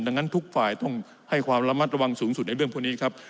ดังนั้นทุกฝ่ายต้องให้ความระมัดระวังสูงสุดในเรื่องพวกนี้ครับ